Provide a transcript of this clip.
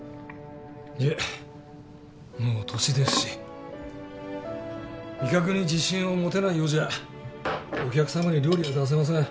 いえもう年ですし味覚に自信を持てないようじゃお客さまに料理は出せません。